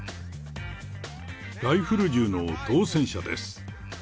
ライフル銃の当せん者です。